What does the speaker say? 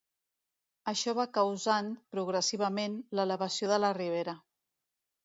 Això va causant, progressivament, l'elevació de la ribera.